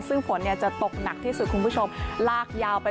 ซึ่งฝนเนี่ยจะตกหนักที่สุดคุณผู้ชมลากยาวไป